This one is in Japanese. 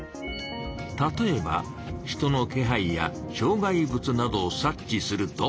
例えば人のけはいやしょう害物などを察知すると。